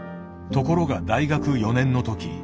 ところが大学４年の時。